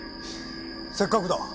せっかくだ。